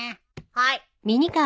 はい。